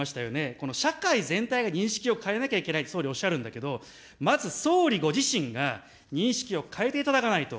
この社会全体が認識を変えなきゃいけないって総理、おっしゃるんだけれども、まず総理ご自身が、認識を変えていただかないと。